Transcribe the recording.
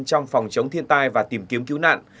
trong phòng chống thiên tai và tìm kiếm cứu nạn